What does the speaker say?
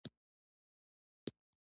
دا خبره غلطه ده .